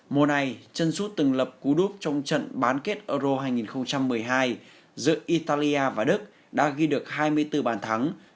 mùa này chân suốt từng lập cú đúc trong trận bán kết euro hai nghìn một mươi hai giữa italia và đức đã ghi được hai mươi bốn bàn thắng